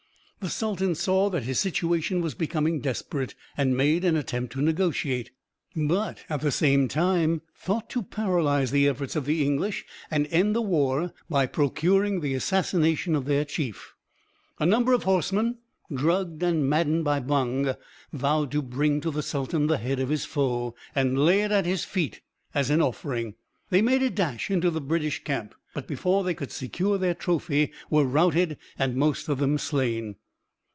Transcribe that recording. The sultan saw that his situation was becoming desperate, and made an attempt to negotiate, but at the same time thought to paralyse the efforts of the English and end the war, by procuring the assassination of their chief. A number of horsemen, drugged and maddened by bhang, vowed to bring to the sultan the head of his foe, and lay it at his feet as an offering. They made a dash into the British camp, but before they could secure their trophy were routed, and most of them slain.